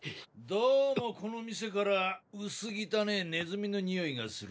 どうもこの店から薄汚ぇネズミの臭いがするな。